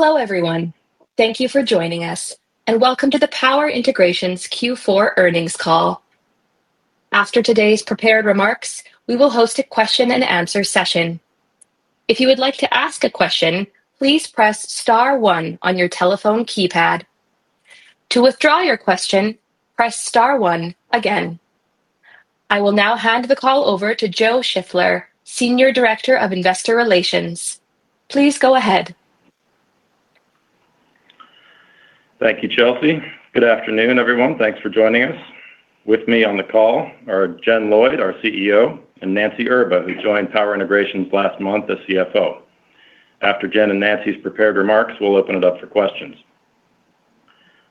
Hello, everyone. Thank you for joining us, and welcome to the Power Integrations Q4 earnings call. After today's prepared remarks, we will host a question and answer session. If you would like to ask a question, please press star one on your telephone keypad. To withdraw your question, press star one again. I will now hand the call over to Joe Shiffler, Senior Director of Investor Relations. Please go ahead. Thank you, Chelsea. Good afternoon, everyone. Thanks for joining us. With me on the call are Jen Lloyd, our CEO, and Nancy Erba, who joined Power Integrations last month as CFO. After Jen and Nancy's prepared remarks, we'll open it up for questions.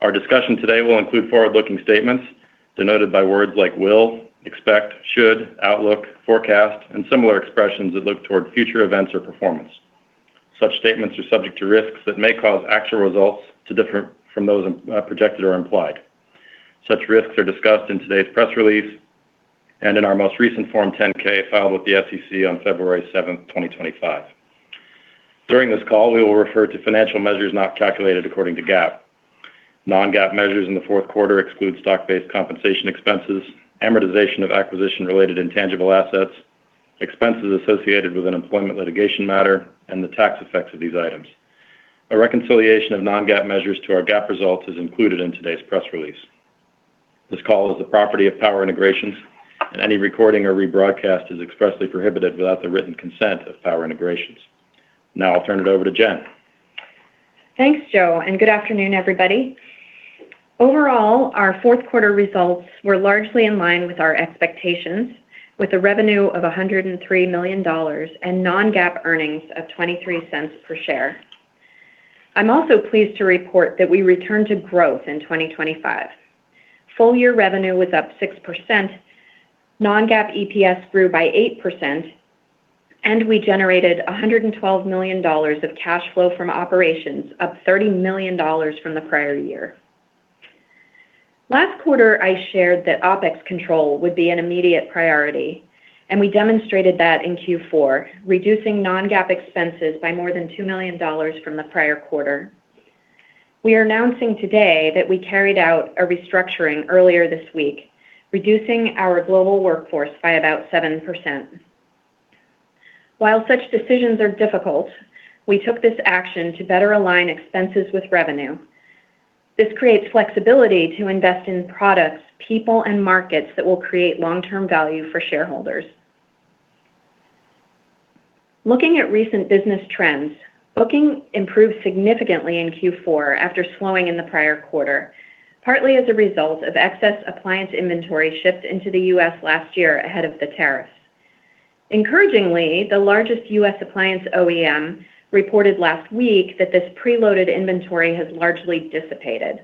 Our discussion today will include forward-looking statements denoted by words like will, expect, should, outlook, forecast, and similar expressions that look toward future events or performance. Such statements are subject to risks that may cause actual results to differ from those projected or implied. Such risks are discussed in today's press release and in our most recent Form 10-K filed with the SEC on February 7, 2025. During this call, we will refer to financial measures not calculated according to GAAP. Non-GAAP measures in the fourth quarter exclude stock-based compensation expenses, amortization of acquisition-related intangible assets, expenses associated with an employment litigation matter, and the tax effects of these items. A reconciliation of non-GAAP measures to our GAAP results is included in today's press release. This call is the property of Power Integrations, and any recording or rebroadcast is expressly prohibited without the written consent of Power Integrations. Now I'll turn it over to Jen. Thanks, Joe, and good afternoon, everybody. Overall, our fourth quarter results were largely in line with our expectations, with a revenue of $103 million and non-GAAP earnings of $0.23 per share. I'm also pleased to report that we returned to growth in 2025. Full-year revenue was up 6%, non-GAAP EPS grew by 8%, and we generated $112 million of cash flow from operations, up $30 million from the prior year. Last quarter, I shared that OpEx control would be an immediate priority, and we demonstrated that in Q4, reducing non-GAAP expenses by more than $2 million from the prior quarter. We are announcing today that we carried out a restructuring earlier this week, reducing our global workforce by about 7%. While such decisions are difficult, we took this action to better align expenses with revenue. This creates flexibility to invest in products, people, and markets that will create long-term value for shareholders. Looking at recent business trends, booking improved significantly in Q4 after slowing in the prior quarter, partly as a result of excess appliance inventory shipped into the U.S. last year ahead of the tariffs. Encouragingly, the largest U.S. appliance OEM reported last week that this preloaded inventory has largely dissipated.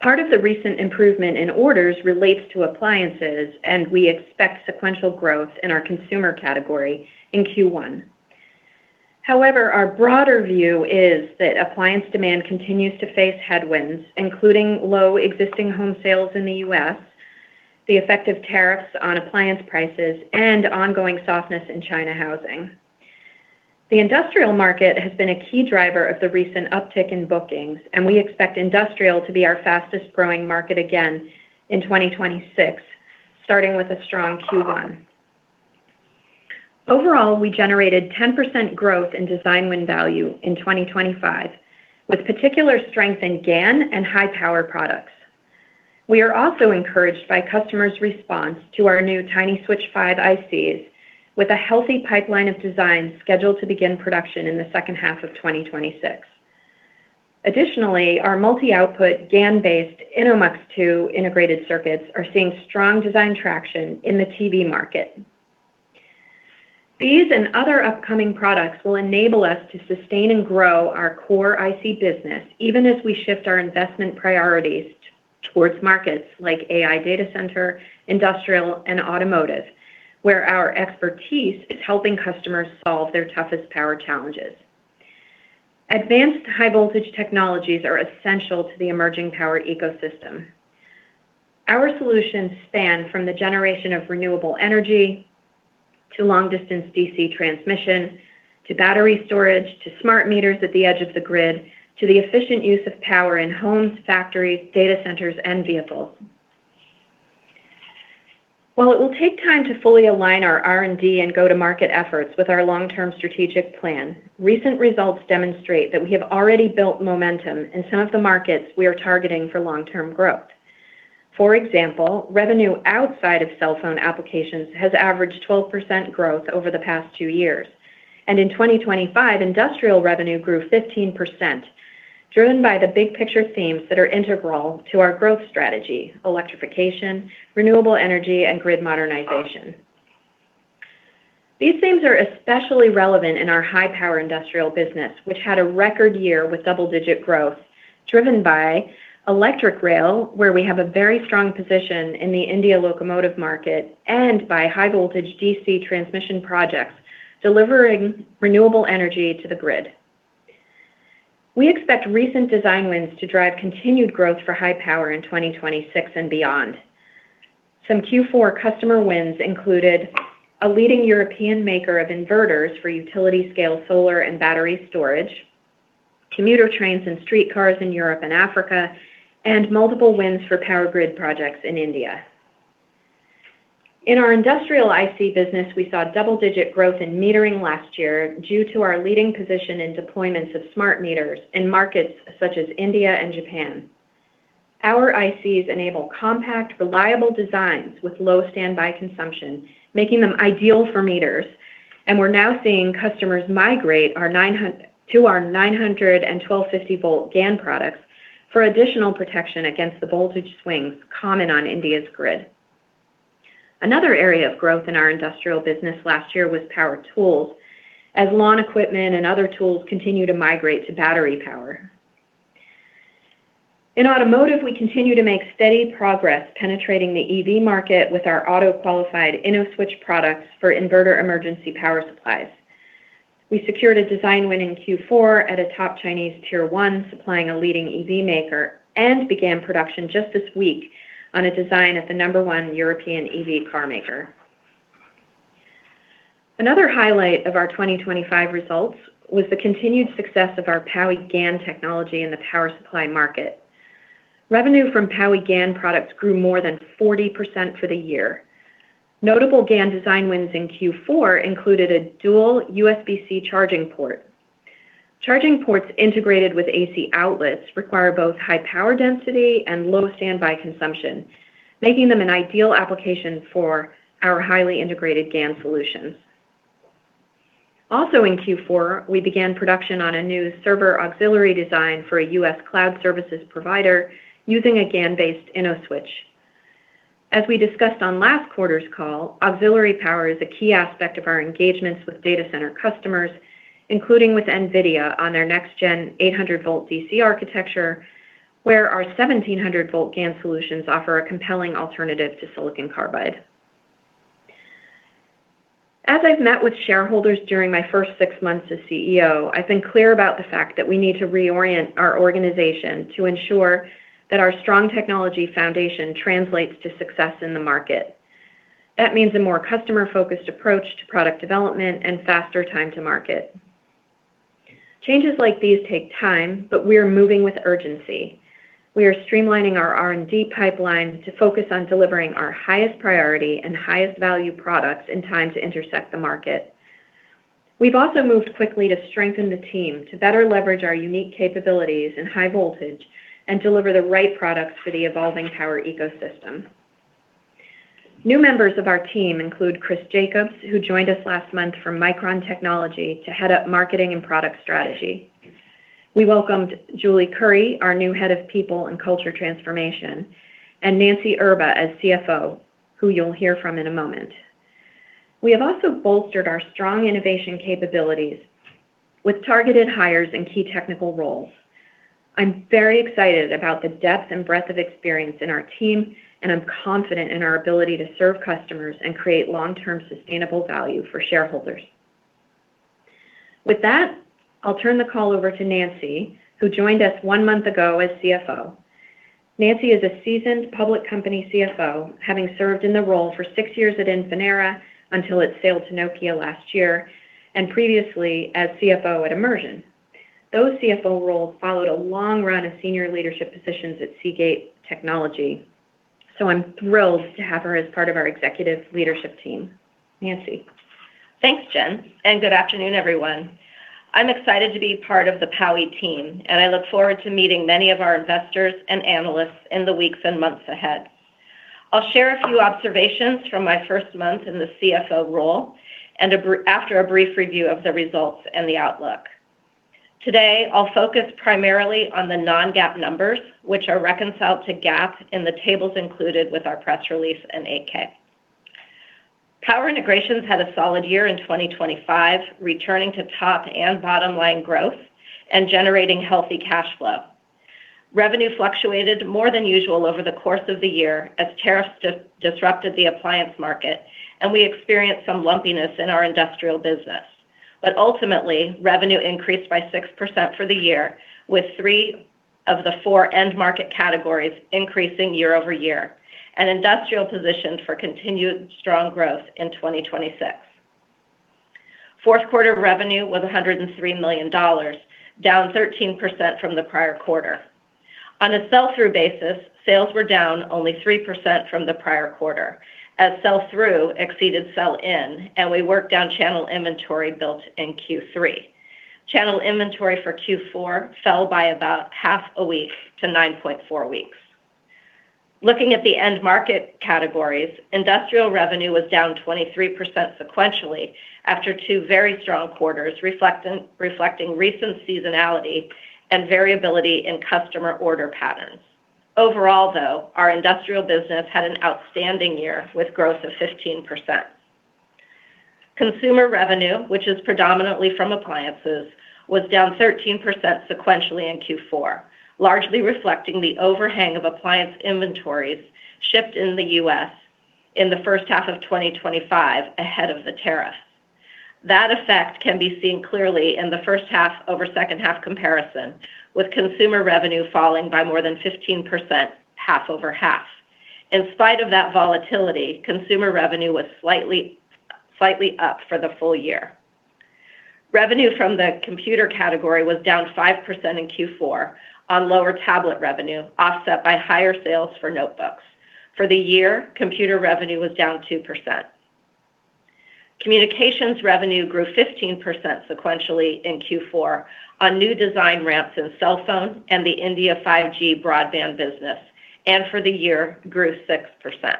Part of the recent improvement in orders relates to appliances, and we expect sequential growth in our consumer category in Q1. However, our broader view is that appliance demand continues to face headwinds, including low existing home sales in the U.S., the effect of tariffs on appliance prices, and ongoing softness in China housing. The industrial market has been a key driver of the recent uptick in bookings, and we expect industrial to be our fastest-growing market again in 2026, starting with a strong Q1. Overall, we generated 10% growth in design win value in 2025, with particular strength in GaN and high-power products. We are also encouraged by customers' response to our new TinySwitch-5 ICs, with a healthy pipeline of designs scheduled to begin production in the second half of 2026. Additionally, our multi-output GaN-based InnoMux-2 integrated circuits are seeing strong design traction in the TV market. These and other upcoming products will enable us to sustain and grow our core IC business, even as we shift our investment priorities towards markets like AI data center, industrial, and automotive, where our expertise is helping customers solve their toughest power challenges. Advanced high-voltage technologies are essential to the emerging power ecosystem. Our solutions span from the generation of renewable energy to long-distance DC transmission, to battery storage, to smart meters at the edge of the grid, to the efficient use of power in homes, factories, data centers, and vehicles. While it will take time to fully align our R&D and go-to-market efforts with our long-term strategic plan, recent results demonstrate that we have already built momentum in some of the markets we are targeting for long-term growth. For example, revenue outside of cell phone applications has averaged 12% growth over the past two years, and in 2025, industrial revenue grew 15%, driven by the big picture themes that are integral to our growth strategy: electrification, renewable energy, and grid modernization. These themes are especially relevant in our high-power industrial business, which had a record year with double-digit growth, driven by electric rail, where we have a very strong position in the India locomotive market and by high-voltage DC transmission projects, delivering renewable energy to the grid. We expect recent design wins to drive continued growth for high power in 2026 and beyond. Some Q4 customer wins included a leading European maker of inverters for utility-scale solar and battery storage, commuter trains and streetcars in Europe and Africa, and multiple wins for power grid projects in India. In our industrial IC business, we saw double-digit growth in metering last year due to our leading position in deployments of smart meters in markets such as India and Japan. Our ICs enable compact, reliable designs with low standby consumption, making them ideal for meters, and we're now seeing customers migrate to our 900- and 1250-V GaN products for additional protection against the voltage swings, common on India's grid. Another area of growth in our industrial business last year was power tools, as lawn equipment and other tools continue to migrate to battery power. In automotive, we continue to make steady progress, penetrating the EV market with our auto-qualified InnoSwitch products for inverter emergency power supplies. We secured a design win in Q4 at a top Chinese Tier 1, supplying a leading EV maker, and began production just this week on a design at the number one European EV car maker. Another highlight of our 2025 results was the continued success of our PowiGaN technology in the power supply market. Revenue from PowiGaN products grew more than 40% for the year. Notable GaN design wins in Q4 included a dual USB-C charging port. Charging ports integrated with AC outlets require both high power density and low standby consumption, making them an ideal application for our highly integrated GaN solutions. Also, in Q4, we began production on a new server auxiliary design for a US Cloud services provider using a GaN-based InnoSwitch. As we discussed on last quarter's call, auxiliary power is a key aspect of our engagements with data center customers, including with NVIDIA on their next-gen 800 V DC architecture, where our 1700 V GaN solutions offer a compelling alternative to silicon carbide. As I've met with shareholders during my first six months as CEO, I've been clear about the fact that we need to reorient our organization to ensure that our strong technology foundation translates to success in the market. That means a more customer-focused approach to product development and faster time to market. Changes like these take time, but we are moving with urgency. We are streamlining our R&D pipeline to focus on delivering our highest priority and highest value products in time to intersect the market. We've also moved quickly to strengthen the team to better leverage our unique capabilities in high voltage and deliver the right products for the evolving power ecosystem. New members of our team include Chris Jacobs, who joined us last month from Micron Technology, to head up marketing and product strategy. We welcomed Julie Curry, our new head of people and culture transformation, and Nancy Erba as CFO, who you'll hear from in a moment. We have also bolstered our strong innovation capabilities with targeted hires in key technical roles. I'm very excited about the depth and breadth of experience in our team, and I'm confident in our ability to serve customers and create long-term sustainable value for shareholders. With that, I'll turn the call over to Nancy, who joined us one month ago as CFO. Nancy is a seasoned public company CFO, having served in the role for six years at Infinera until it sold to Nokia last year and previously as CFO at Immersion. Those CFO roles followed a long run of senior leadership positions at Seagate Technology, so I'm thrilled to have her as part of our executive leadership team. Nancy? Thanks, Jen, and good afternoon, everyone. I'm excited to be part of the Powi team, and I look forward to meeting many of our investors and analysts in the weeks and months ahead. I'll share a few observations from my first month in the CFO role, and after a brief review of the results and the outlook. Today, I'll focus primarily on the non-GAAP numbers, which are reconciled to GAAP in the tables included with our press release and 8-K. Power Integrations had a solid year in 2025, returning to top and bottom-line growth and generating healthy cash flow. Revenue fluctuated more than usual over the course of the year as tariffs disrupted the appliance market, and we experienced some lumpiness in our industrial business. But ultimately, revenue increased by 6% for the year, with three of the four end market categories increasing year-over-year, and industrial positioned for continued strong growth in 2026. Fourth quarter revenue was $103 million, down 13% from the prior quarter. On a sell-through basis, sales were down only 3% from the prior quarter, as sell-through exceeded sell-in, and we worked down channel inventory built in Q3. Channel inventory for Q4 fell by about half a week to 9.4 weeks. Looking at the end market categories, industrial revenue was down 23% sequentially after two very strong quarters, reflecting recent seasonality and variability in customer order patterns. Overall, though, our industrial business had an outstanding year, with growth of 15%. Consumer revenue, which is predominantly from appliances, was down 13% sequentially in Q4, largely reflecting the overhang of appliance inventories shipped in the U.S. in the first half of 2025 ahead of the tariff. That effect can be seen clearly in the first half over second half comparison, with consumer revenue falling by more than 15% half over half. In spite of that volatility, consumer revenue was slightly, slightly up for the full year. Revenue from the computer category was down 5% in Q4 on lower tablet revenue, offset by higher sales for notebooks. For the year, computer revenue was down 2%. Communications revenue grew 15% sequentially in Q4 on new design ramps in cell phone and the India 5G broadband business, and for the year grew 6%.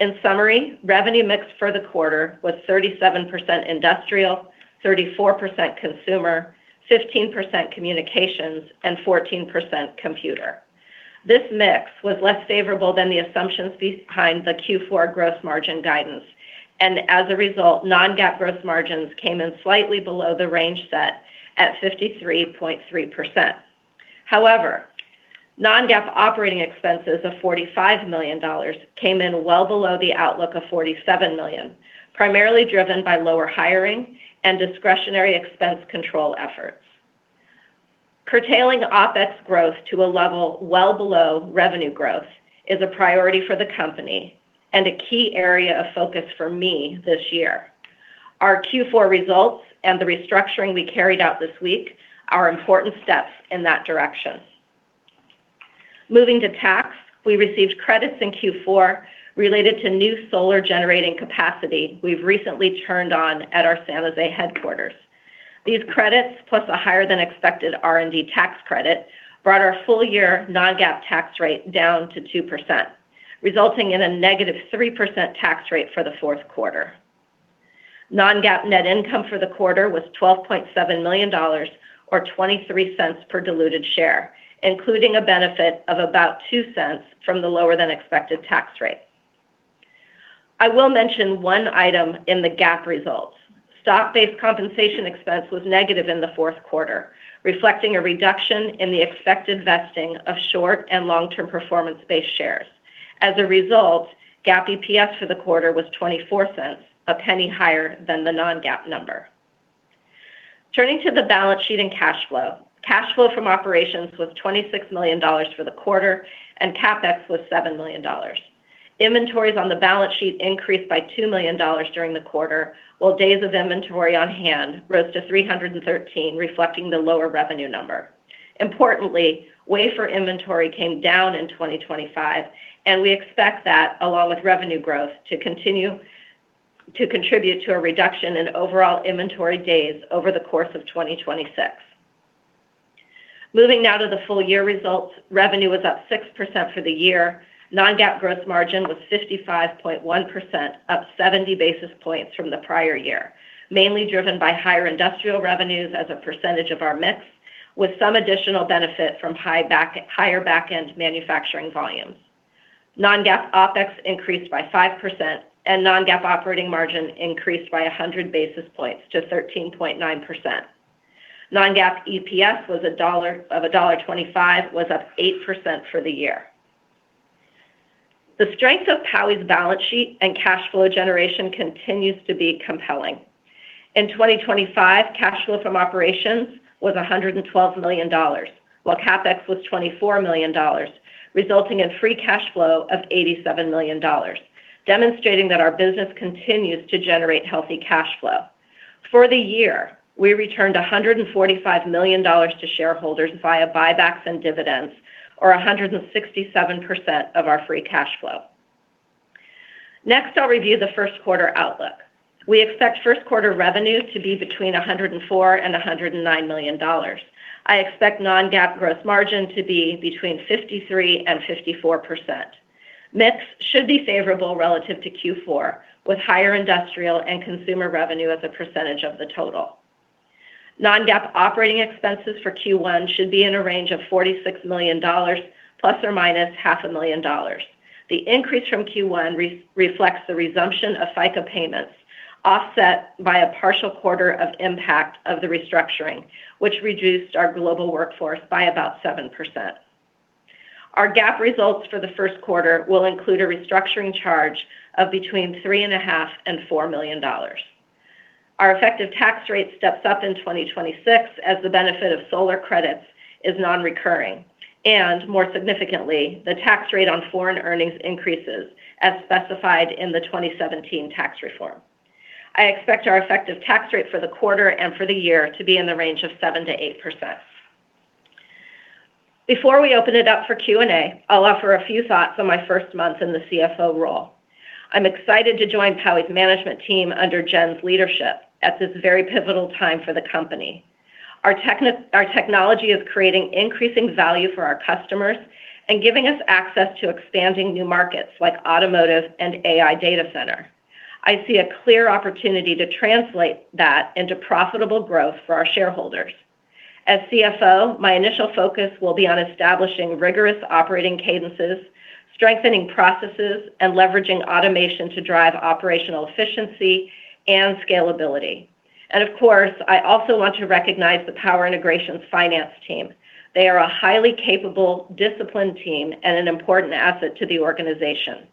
In summary, revenue mix for the quarter was 37% industrial, 34% consumer, 15% communications, and 14% computer. This mix was less favorable than the assumptions behind the Q4 gross margin guidance, and as a result, non-GAAP gross margins came in slightly below the range set at 53.3%. However, non-GAAP operating expenses of $45 million came in well below the outlook of $47 million, primarily driven by lower hiring and discretionary expense control efforts. Curtailing OpEx growth to a level well below revenue growth is a priority for the company and a key area of focus for me this year. Our Q4 results and the restructuring we carried out this week are important steps in that direction. Moving to tax, we received credits in Q4 related to new solar generating capacity we've recently turned on at our San Jose headquarters. These credits, plus a higher than expected R&D tax credit, brought our full-year non-GAAP tax rate down to 2%, resulting in a -3% tax rate for the fourth quarter. Non-GAAP net income for the quarter was $12.7 million or $0.23 per diluted share, including a benefit of about $0.02 from the lower than expected tax rate. I will mention one item in the GAAP results. Stock-based compensation expense was negative in the fourth quarter, reflecting a reduction in the expected vesting of short and long-term performance-based shares. As a result, GAAP EPS for the quarter was $0.24, $0.01 higher than the non-GAAP number. Turning to the balance sheet and cash flow. Cash flow from operations was $26 million for the quarter, and CapEx was $7 million. Inventories on the balance sheet increased by $2 million during the quarter, while days of inventory on hand rose to 313, reflecting the lower revenue number. Importantly, wafer inventory came down in 2025, and we expect that, along with revenue growth, to continue to contribute to a reduction in overall inventory days over the course of 2026. Moving now to the full year results, revenue was up 6% for the year. Non-GAAP gross margin was 55.1%, up 70 basis points from the prior year, mainly driven by higher industrial revenues as a percentage of our mix, with some additional benefit from higher back-end manufacturing volumes. Non-GAAP OpEx increased by 5%, and non-GAAP operating margin increased by 100 basis points to 13.9%. Non-GAAP EPS was $1.25, up 8% for the year. The strength of PI's balance sheet and cash flow generation continues to be compelling. In 2025, cash flow from operations was $112 million, while CapEx was $24 million, resulting in free cash flow of $87 million, demonstrating that our business continues to generate healthy cash flow. For the year, we returned $145 million to shareholders via buybacks and dividends, or 167% of our free cash flow. Next, I'll review the first quarter outlook. We expect first quarter revenue to be between $104 million and $109 million. I expect non-GAAP gross margin to be between 53% and 54%. Mix should be favorable relative to Q4, with higher industrial and consumer revenue as a percentage of the total. Non-GAAP operating expenses for Q1 should be in a range of $46 million ± $500,000. The increase from Q4 reflects the resumption of FICA payments, offset by a partial quarter of impact of the restructuring, which reduced our global workforce by about 7%. Our GAAP results for the first quarter will include a restructuring charge of between $3.5 million and $4 million. Our effective tax rate steps up in 2026 as the benefit of solar credits is non-recurring, and more significantly, the tax rate on foreign earnings increases as specified in the 2017 tax reform. I expect our effective tax rate for the quarter and for the year to be in the range of 7%-8%. Before we open it up for Q&A, I'll offer a few thoughts on my first month in the CFO role. I'm excited to join PI's management team under Jen's leadership at this very pivotal time for the company. Our technology is creating increasing value for our customers and giving us access to expanding new markets like automotive and AI data center. I see a clear opportunity to translate that into profitable growth for our shareholders. As CFO, my initial focus will be on establishing rigorous operating cadences, strengthening processes, and leveraging automation to drive operational efficiency and scalability. And of course, I also want to recognize the Power Integrations finance team. They are a highly capable, disciplined team and an important asset to the organization.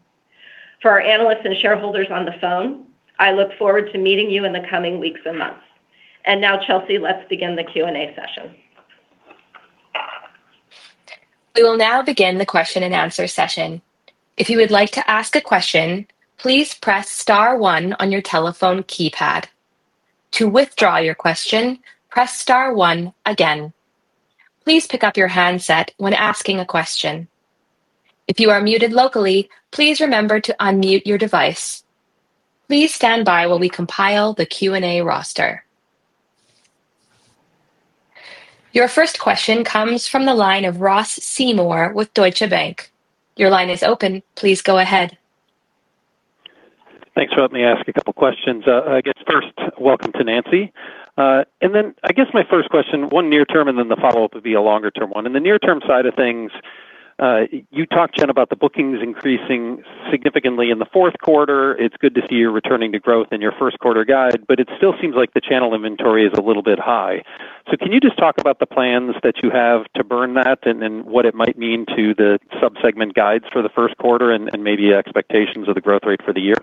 For our analysts and shareholders on the phone, I look forward to meeting you in the coming weeks and months. And now, Chelsea, let's begin the Q&A session. We will now begin the question-and-answer session. If you would like to ask a question, please press star one on your telephone keypad. To withdraw your question, press star one again. Please pick up your handset when asking a question. If you are muted locally, please remember to unmute your device. Please stand by while we compile the Q&A roster. Your first question comes from the line of Ross Seymore with Deutsche Bank. Your line is open. Please go ahead. Thanks for letting me ask a couple questions. I guess first, welcome to Nancy. And then I guess my first question, one near term, and then the follow-up would be a longer-term one. In the near term side of things, you talked, Jen, about the bookings increasing significantly in the fourth quarter. It's good to see you're returning to growth in your first quarter guide, but it still seems like the channel inventory is a little bit high. So can you just talk about the plans that you have to burn that and what it might mean to the sub-segment guides for the first quarter and maybe expectations of the growth rate for the year?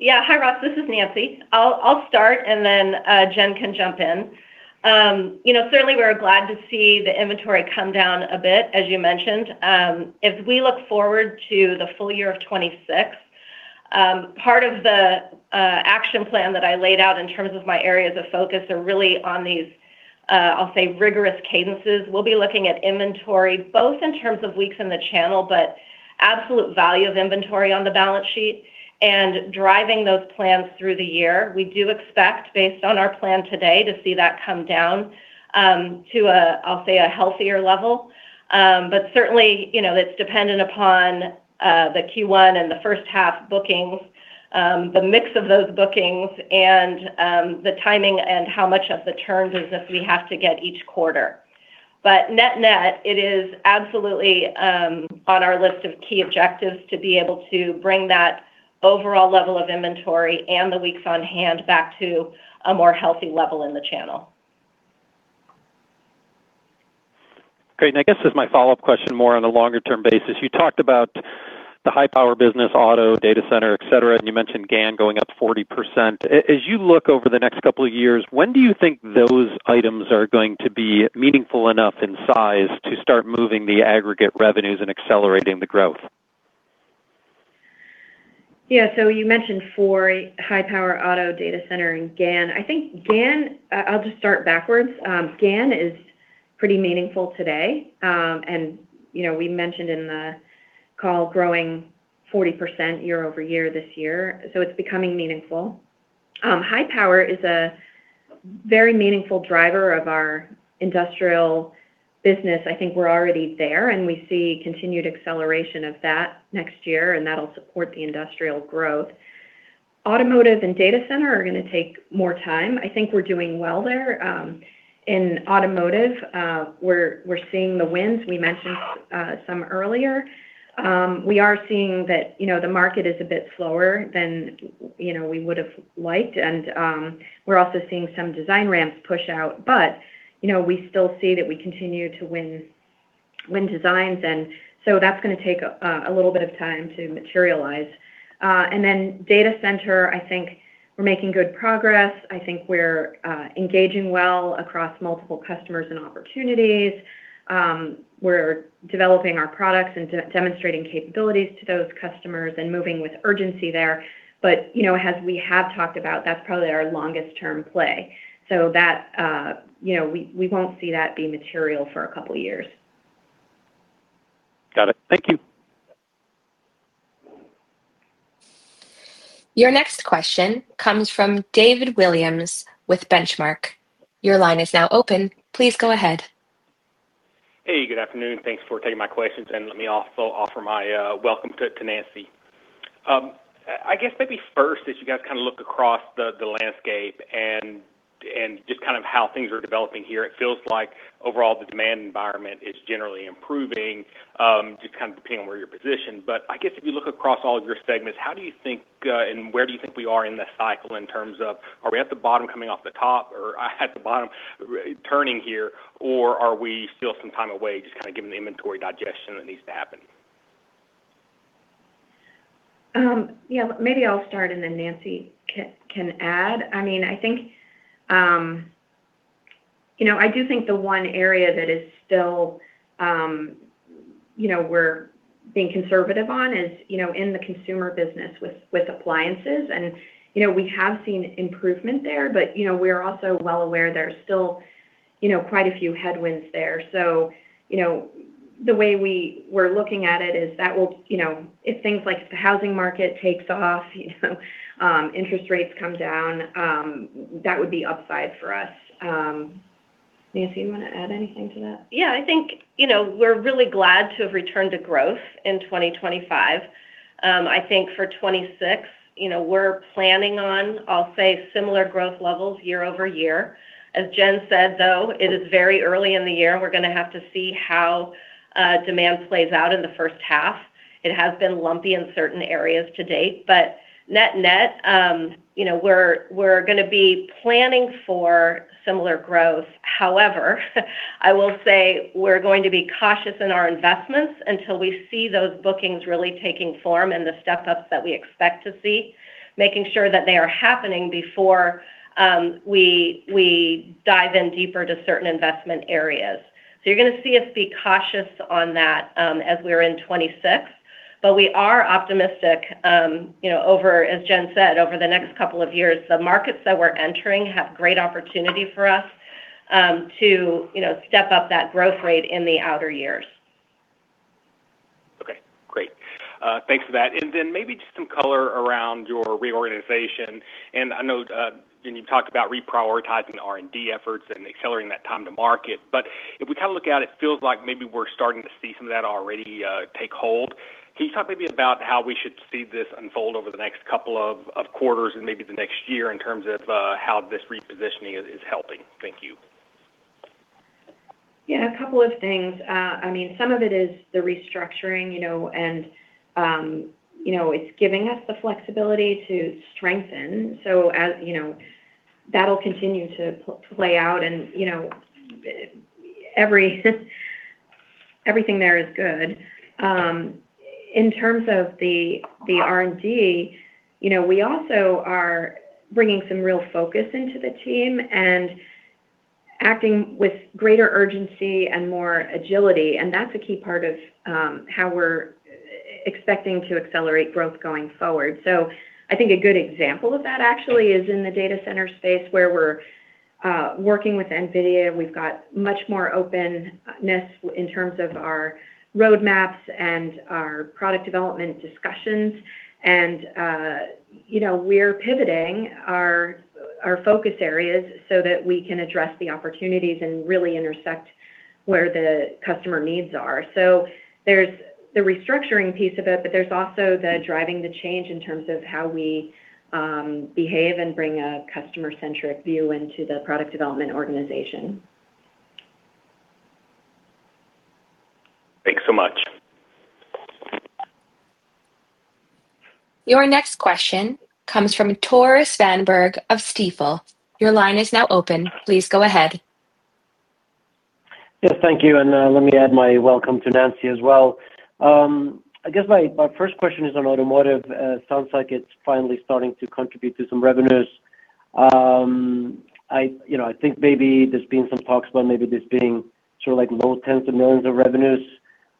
Yeah. Hi, Ross, this is Nancy. I'll start, and then Jen can jump in. You know, certainly, we're glad to see the inventory come down a bit, as you mentioned. As we look forward to the full year of 2026, part of the action plan that I laid out in terms of my areas of focus are really on these. I'll say, rigorous cadences. We'll be looking at inventory, both in terms of weeks in the channel, but absolute value of inventory on the balance sheet and driving those plans through the year. We do expect, based on our plan today, to see that come down to a. I'll say, a healthier level. But certainly, you know, it's dependent upon the Q1 and the first half bookings, the mix of those bookings, and the timing and how much of the terms is if we have to get each quarter. But net-net, it is absolutely on our list of key objectives to be able to bring that overall level of inventory and the weeks on hand back to a more healthy level in the channel. Great. And I guess as my follow-up question, more on a longer-term basis, you talked about the high power business, auto, data center, et cetera, and you mentioned GaN going up 40%. As you look over the next couple of years, when do you think those items are going to be meaningful enough in size to start moving the aggregate revenues and accelerating the growth? Yeah, so you mentioned for high power auto, data center, and GaN. I think GaN, I'll just start backwards. GaN is pretty meaningful today. You know, we mentioned in the call growing 40% year-over-year this year, so it's becoming meaningful. High power is a very meaningful driver of our industrial business. I think we're already there, and we see continued acceleration of that next year, and that'll support the industrial growth. Automotive and data center are going to take more time. I think we're doing well there. In automotive, we're seeing the wins. We mentioned some earlier. We are seeing that, you know, the market is a bit slower than, you know, we would have liked, and we're also seeing some design ramps push out. But, you know, we still see that we continue to win, win designs, and so that's going to take a little bit of time to materialize. And then data center, I think we're making good progress. I think we're engaging well across multiple customers and opportunities. We're developing our products and demonstrating capabilities to those customers and moving with urgency there. But, you know, as we have talked about, that's probably our longest term play. So that, you know, we won't see that be material for a couple of years. Got it. Thank you. Your next question comes from David Williams with Benchmark. Your line is now open. Please go ahead. Hey, good afternoon. Thanks for taking my questions, and let me also offer my welcome to Nancy. I guess maybe first, as you guys kind of look across the landscape and just kind of how things are developing here, it feels like overall, the demand environment is generally improving, just kind of depending on where you're positioned. But I guess if you look across all of your segments, how do you think and where do you think we are in this cycle in terms of, are we at the bottom coming off the top or at the bottom turning here, or are we still some time away, just kind of given the inventory digestion that needs to happen? Yeah, maybe I'll start and then Nancy can add. I mean, I think, you know, I do think the one area that is still, you know, we're being conservative on is, you know, in the consumer business with appliances. And, you know, we have seen improvement there, but, you know, we're also well aware there's still, you know, quite a few headwinds there. So, you know, the way we're looking at it is that will. You know, if things like the housing market takes off, you know, interest rates come down, that would be upside for us. Nancy, you want to add anything to that? Yeah, I think, you know, we're really glad to have returned to growth in 2025. I think for 2026, you know, we're planning on, I'll say, similar growth levels year-over-year. As Jen said, though, it is very early in the year. We're going to have to see how demand plays out in the first half. It has been lumpy in certain areas to date, but net-net, you know, we're gonna be planning for similar growth. However, I will say we're going to be cautious in our investments until we see those bookings really taking form and the step-ups that we expect to see, making sure that they are happening before we dive in deeper to certain investment areas. So you're gonna see us be cautious on that, as we're in 2026. But we are optimistic, you know, over, as Jen said, over the next couple of years, the markets that we're entering have great opportunity for us, to you know, step up that growth rate in the outer years. Okay, great. Thanks for that. And then maybe just some color around your reorganization. And I know, and you talked about reprioritizing the R&D efforts and accelerating that time to market. But if we kinda look at it, it feels like maybe we're starting to see some of that already, take hold. Can you talk maybe about how we should see this unfold over the next couple of quarters and maybe the next year in terms of how this repositioning is helping? Thank you. Yeah, a couple of things. I mean, some of it is the restructuring, you know, and, you know, it's giving us the flexibility to strengthen. So, you know, that'll continue to play out and, you know, everything there is good. In terms of the R&D, you know, we also are bringing some real focus into the team and acting with greater urgency and more agility, and that's a key part of, how we're expecting to accelerate growth going forward. So I think a good example of that actually is in the data center space, where we're working with NVIDIA. We've got much more openness in terms of our roadmaps and our product development discussions. And, you know, we're pivoting our focus areas so that we can address the opportunities and really intersect where the customer needs are. So there's the restructuring piece of it, but there's also the driving the change in terms of how we behave and bring a customer-centric view into the product development organization. Thanks so much. Your next question comes from Tore Svanberg of Stifel. Your line is now open. Please go ahead. Yes, thank you, and let me add my welcome to Nancy as well. I guess my first question is on automotive. Sounds like it's finally starting to contribute to some revenues. I, you know, I think maybe there's been some talks about maybe this being sort of like $10 million-$20 million revenues,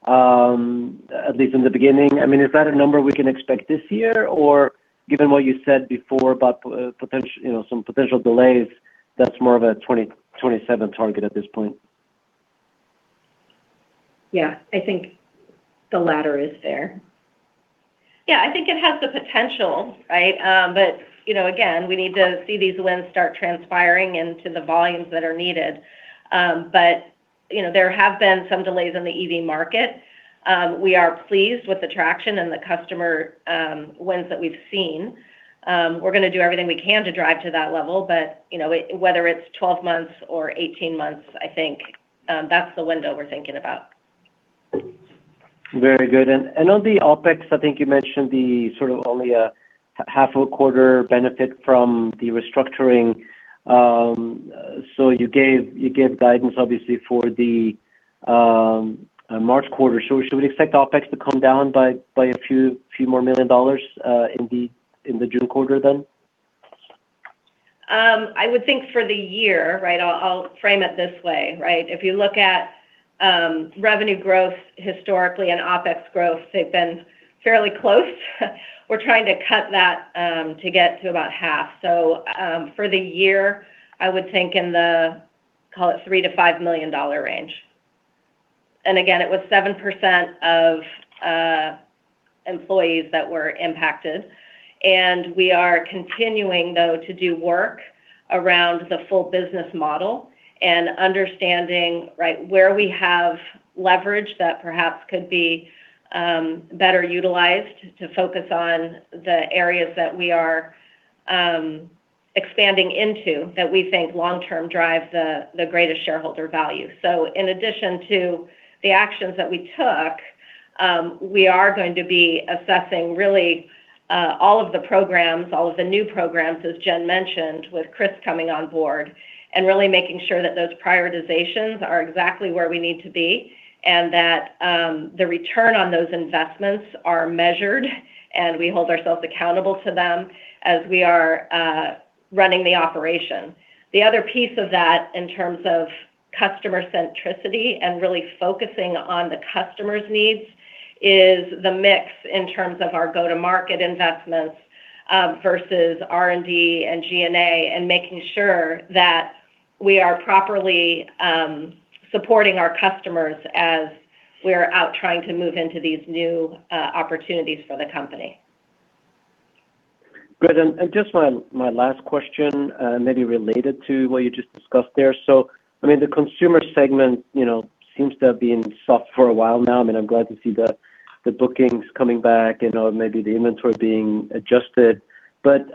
at least in the beginning. I mean, is that a number we can expect this year? Or given what you said before about you know, some potential delays, that's more of a 2027 target at this point? Yeah, I think the latter is there. Yeah, I think it has the potential, right? But, you know, again, we need to see these wins start transpiring into the volumes that are needed. But, you know, there have been some delays in the EV market. We are pleased with the traction and the customer wins that we've seen. We're gonna do everything we can to drive to that level, but, you know, whether it's 12 months or 18 months, I think that's the window we're thinking about. Very good. On the OpEx, I think you mentioned sort of only a half a quarter benefit from the restructuring. So you gave guidance, obviously, for the March quarter. So should we expect OpEx to come down by a few more million dollars in the June quarter, then? I would think for the year, right? I'll, I'll frame it this way, right? If you look at, revenue growth historically and OpEx growth, they've been fairly close. We're trying to cut that, to get to about half. So, for the year, I would think in the, call it $3 million-$5 million range. And again, it was 7% of, employees that were impacted. And we are continuing, though, to do work around the full business model and understanding, right, where we have leverage that perhaps could be, better utilized to focus on the areas that we are, expanding into, that we think long term drive the, the greatest shareholder value. So in addition to the actions that we took, we are going to be assessing really, all of the programs, all of the new programs, as Jen mentioned, with Chris coming on board, and really making sure that those prioritizations are exactly where we need to be, and that, the return on those investments are measured, and we hold ourselves accountable to them as we are, running the operation. The other piece of that, in terms of customer centricity and really focusing on the customer's needs, is the mix in terms of our go-to-market investments, versus R&D and G&A, and making sure that we are properly, supporting our customers as we're out trying to move into these new, opportunities for the company. Great. And just my last question, maybe related to what you just discussed there. So, I mean, the consumer segment, you know, seems to have been soft for a while now. I mean, I'm glad to see the bookings coming back and, maybe the inventory being adjusted. But,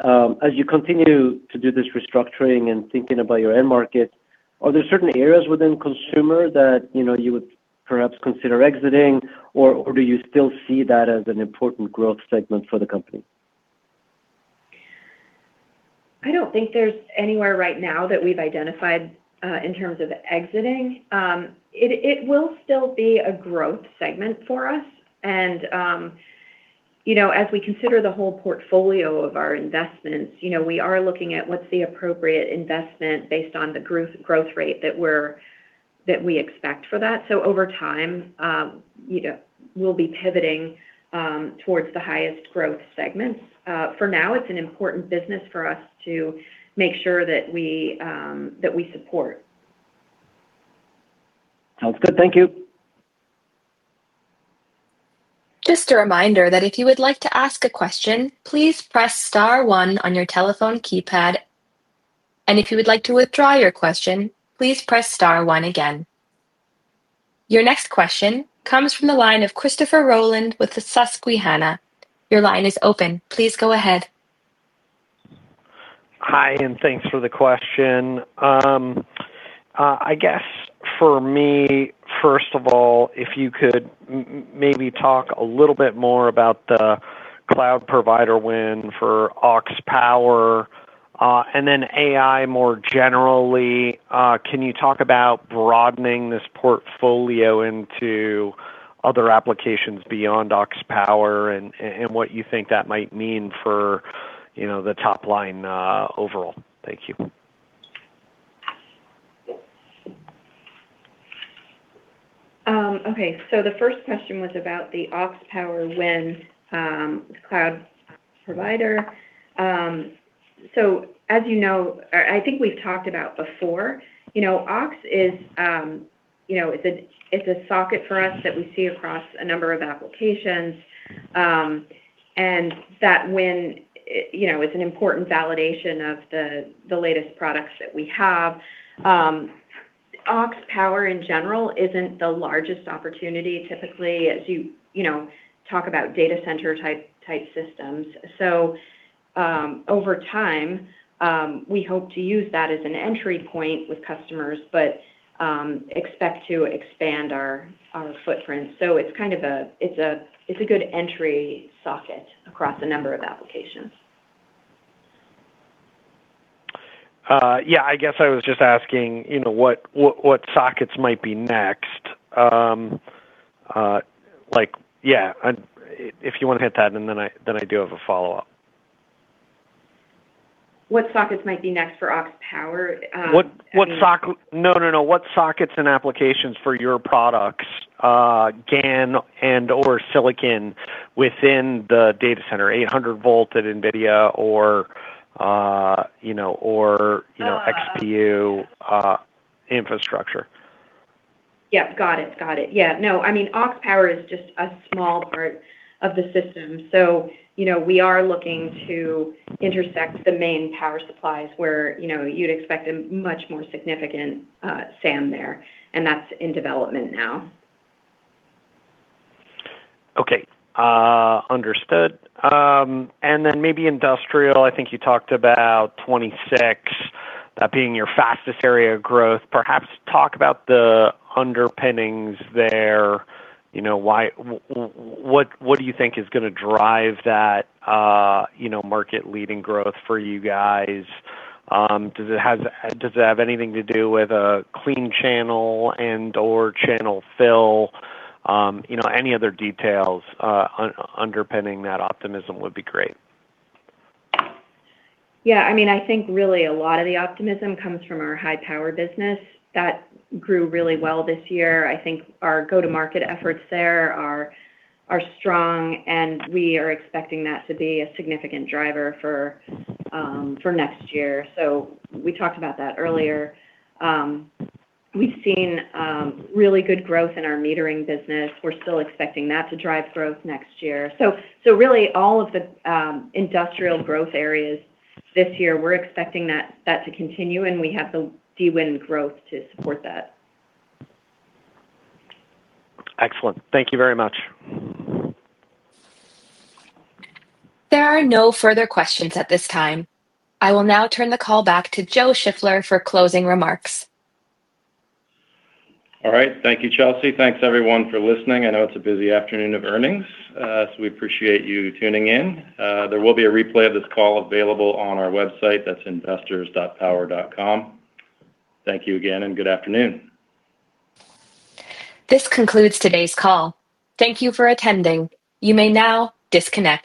as you continue to do this restructuring and thinking about your end market, Are there certain areas within consumer that, you know, you would perhaps consider exiting, or, or do you still see that as an important growth segment for the company? I don't think there's anywhere right now that we've identified in terms of exiting. It will still be a growth segment for us, and you know, as we consider the whole portfolio of our investments, you know, we are looking at what's the appropriate investment based on the growth rate that we expect for that. So over time, you know, we'll be pivoting towards the highest growth segments. For now, it's an important business for us to make sure that we support. Sounds good. Thank you. Just a reminder that if you would like to ask a question, please press star one on your telephone keypad. If you would like to withdraw your question, please press star one again. Your next question comes from the line of Christopher Rolland with the Susquehanna. Your line is open. Please go ahead. Hi, and thanks for the question. I guess for me, first of all, if you could maybe talk a little bit more about the cloud provider win for aux power, and then AI more generally. Can you talk about broadening this portfolio into other applications beyond aux power and what you think that might mean for, you know, the top line, overall? Thank you. Okay. So the first question was about the aux power win, cloud provider. So as you know, I think we've talked about before, you know, Aux is, you know, it's a, it's a socket for us that we see across a number of applications, and that when, it, you know, it's an important validation of the latest products that we have. aux power, in general, isn't the largest opportunity, typically, as you, you know, talk about data center-type systems. So, over time, we hope to use that as an entry point with customers, but, expect to expand our footprint. So it's kind of a... It's a, it's a good entry socket across a number of applications. Yeah, I guess I was just asking, you know, what, what, what sockets might be next. Like, yeah, if you want to hit that, and then I, then I do have a follow-up. What sockets might be next for aux power? I mean- What sockets and applications for your products, GaN and/or silicon within the data center, 800 V at NVIDIA or, you know, or, you know, XPU, infrastructure? Yeah, got it. Got it. Yeah. No, I mean, aux power is just a small part of the system. So, you know, we are looking to intersect the main power supplies where, you know, you'd expect a much more significant, SAM there, and that's in development now. Okay, understood. And then maybe industrial, I think you talked about 26, that being your fastest area of growth. Perhaps talk about the underpinnings there. You know, what, what do you think is going to drive that, you know, market-leading growth for you guys? Does it have, does it have anything to do with a clean channel and/or channel fill? You know, any other details, underpinning that optimism would be great. Yeah, I mean, I think really a lot of the optimism comes from our high-power business. That grew really well this year. I think our go-to-market efforts there are strong, and we are expecting that to be a significant driver for next year. So we talked about that earlier. We've seen really good growth in our metering business. We're still expecting that to drive growth next year. So really all of the industrial growth areas this year, we're expecting that to continue, and we have the design win growth to support that. Excellent. Thank you very much. There are no further questions at this time. I will now turn the call back to Joe Shiffler for closing remarks. All right. Thank you, Chelsea. Thanks, everyone, for listening. I know it's a busy afternoon of earnings, so we appreciate you tuning in. There will be a replay of this call available on our website. That's investors.power.com. Thank you again, and good afternoon. This concludes today's call. Thank you for attending. You may now disconnect.